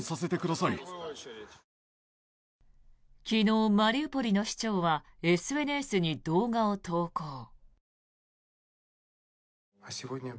昨日、マリウポリの市長はＳＮＳに動画を投稿。